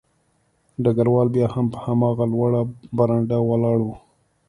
ډګروال بیا هم په هماغه لوړه برنډه ولاړ و